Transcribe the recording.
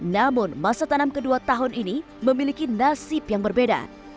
namun masa tanam kedua tahun ini memiliki nasib yang berbeda